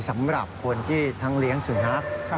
สำหรับคนที่ทั้งเลี้ยงสุนัข